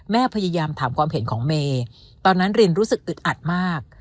พยายามถามความเห็นของเมย์ตอนนั้นรินรู้สึกอึดอัดมาก